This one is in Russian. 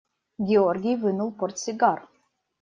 Георгий вынул портсигар.